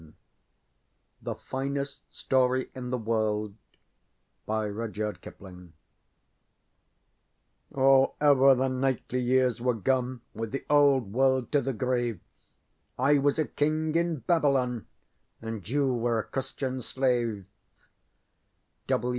ŌĆ£THE FINEST STORY IN THE WORLDŌĆØ ŌĆ£OŌĆÖ ever the knightly years were gone With the old world to the grave, I was a king in Babylon And you were a Christian slave.